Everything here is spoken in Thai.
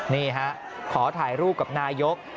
นี่ฮะขอถ่ายรูปกับนายก